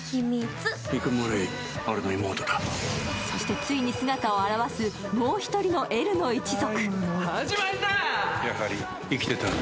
そして、ついに姿を現す、もう１人のＬの一族。